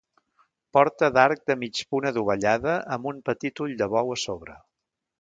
Porta d'arc de mig punt adovellada amb un petit ull de bou a sobre.